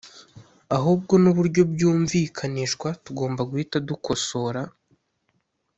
ahubwo ni uburyo byumvikanishwa tugomba guhita dukosora